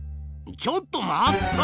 ちょっと待った！